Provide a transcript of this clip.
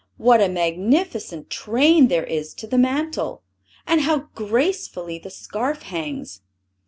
What a magnificent train there is to the mantle; and how gracefully the scarf hangs!"